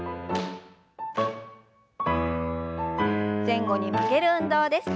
前後に曲げる運動です。